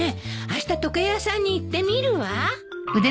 あした時計屋さんに行ってみるわ。